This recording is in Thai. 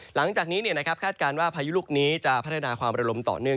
หลังจากนี้คาดการณ์ว่าพายุลูกนี้จะพัฒนาความระลมต่อเนื่อง